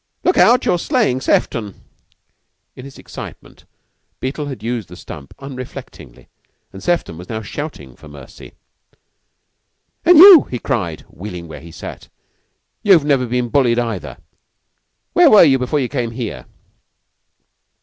"Look out, you're slaying Sefton!" In his excitement Beetle had used the stump unreflectingly, and Sefton was now shouting for mercy. "An' you!" he cried, wheeling where he sat. "You've never been bullied, either. Where were you before you came here?"